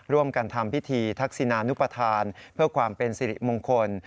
ร่วมกันทำพิธีทักษินานุปทานเพื่อความเป็นสิริมงคล